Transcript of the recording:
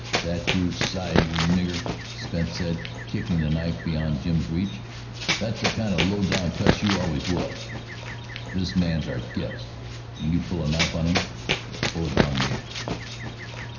"That's your size, you nigger!" Spence said, kicking the knife beyond Jim's reach. "That's the kind of a low down cuss you always was. This man's our guest, and when you pull a knife on him you pull it on me!"